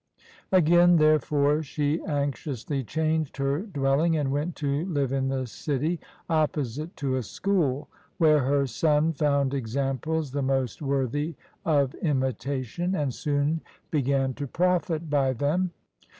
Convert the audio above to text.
Again, therefore, she anxiously changed her dwelling and went to live in the city, opposite to a school, where her son found examples the most worthy of imitation, and soon began 34 MENCIUS to profit by them.